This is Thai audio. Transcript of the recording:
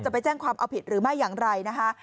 ไปแจ้งความเอาผิดหรือไม่อย่างไรนะคะ